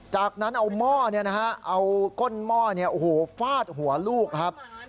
จากนั้นเอาหม้อเนี่ยนะฮะเอาก้นหม้อเนี่ยโอ้โหฟาดหัวลูกครับ